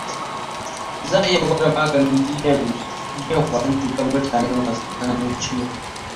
Za a iya gwada maganin jiyyan kwayan cutar mutane masu tsananin ciwo.